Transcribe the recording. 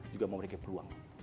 juga mau memiliki peluang